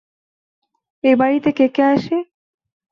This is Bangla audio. এই বাড়িতে কে কে আসে?